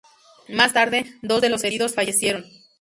Más tarde, dos de los heridos fallecieron.